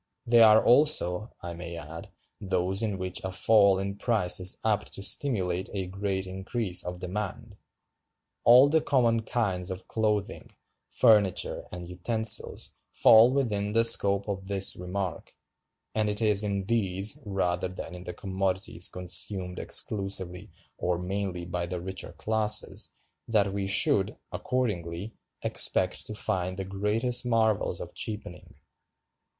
They are also, I may add, those in which a fall in price is apt to stimulate a great increase of demand. All the common kinds of clothing, furniture, and utensils fall within the scope of this remark; and it is in these, rather than in the commodities consumed exclusively or mainly by the richer classes, that we should, accordingly, expect to find the greatest marvels of cheapening."